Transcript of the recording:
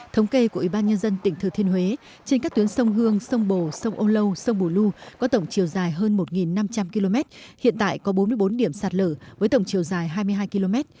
thống kê của ủy ban nhân dân tỉnh thừa thiên huế trên các tuyến sông hương sông bồ sông âu lâu sông bù lưu có tổng chiều dài hơn một năm trăm linh km hiện tại có bốn mươi bốn điểm sạt lở với tổng chiều dài hai mươi hai km